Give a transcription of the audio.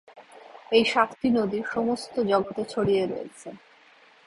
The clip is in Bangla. এই সাতটি নদী সমস্ত জগৎ এ ছড়িয়ে রয়েছে।